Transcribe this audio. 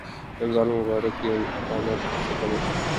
رمضان المبارک کی آمد سے قبل